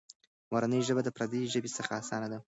مورنۍ ژبه د پردۍ ژبې څخه اسانه ده.